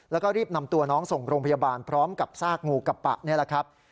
แล้วก็รีบนำตัวน้องส่งโรงพยาบาลพร้อมกับซากงูกับปะนี่แหละครับ